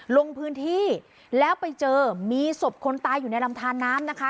ลงพื้นที่แล้วไปเจอมีศพคนตายอยู่ในลำทานน้ำนะคะ